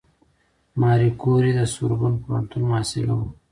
ماري کوري د سوربون پوهنتون محصله وه.